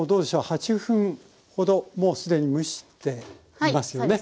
８分ほどもう既に蒸していますよね。